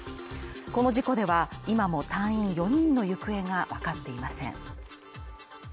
この事故では、今も隊員４人の行方がわかっていません。